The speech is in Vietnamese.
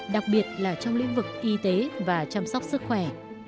đặc biệt là trong lĩnh vực y tế và chăm sóc sức khỏe